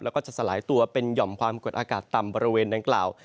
แล้วก็จะสลายตัวเป็นหย่อมความกดอากาศต่ำบริเวณดังกล่าว